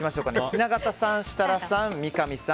雛形さん、設楽さん、三上さん